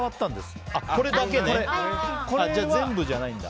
じゃあ、全部じゃないんだ。